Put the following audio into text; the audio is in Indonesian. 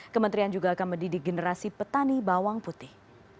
kementerian juga akan mendidik generasi petani bawang putih